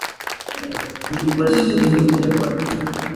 Kuntrupa shillun yapa wilu